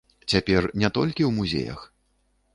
Цяпер не толькі ў музеях!